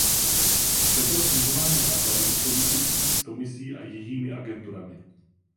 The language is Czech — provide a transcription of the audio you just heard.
Jsem pro snižování nákladů souvisejících s Komisí a jejími agenturami.